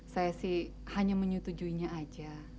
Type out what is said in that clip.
saya sih hanya menyetujuinya aja